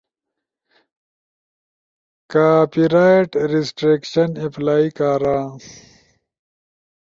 کاپی رائٹ ریسٹریکشن اپلائی کارا۔